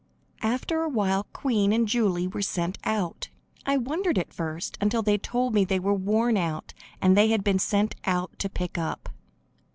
After a while Queen and Julie were sent out. I wondered at first, until they told me they were worn out and had been sent out to pick up.